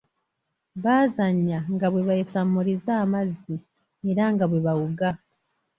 Baazanya nga bwe beesammuliza amazzi era nga bwe bawuga.